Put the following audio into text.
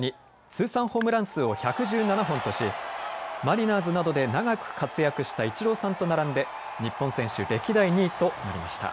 通算ホームラン数を１１７本としマリナーズなどで長く活躍したイチローさんと並んで日本選手歴代２位となりました。